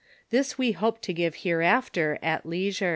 Th's we hope to give hereafter, at leisure.